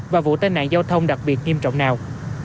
và vụ tai nạn giao thông đặc biệt nghiêm trọng nào